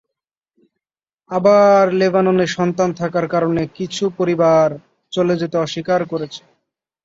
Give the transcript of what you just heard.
আবার লেবাননে সন্তান থাকার কারণে কিছু পরিবার চলে যেতে অস্বীকার করেছে।